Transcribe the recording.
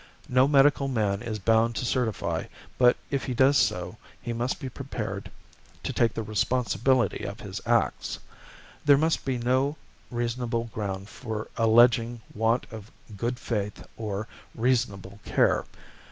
No medical man is bound to certify, but if he does so he must be prepared to take the responsibility of his acts. There must be no reasonable ground for alleging want of 'good faith' or 'reasonable care.'